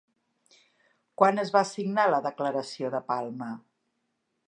Quan es va signar la Declaració de Palma?